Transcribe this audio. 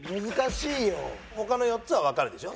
他の４つはわかるでしょ？